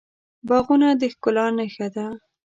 باغونه د ښکلا نښه ده.